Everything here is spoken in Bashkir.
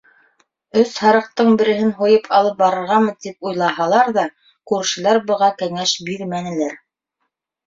Өс һарыҡтың береһен һуйып алып барырғамы тип уйлаһалар ҙа, күршеләре быға кәңәш бирмәнеләр.